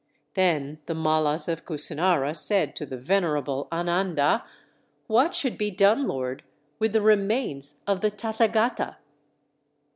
Then the Mallas of Kusinara said to the venerable Ananda: "What should be done, Lord, with the remains of the Tathagata?"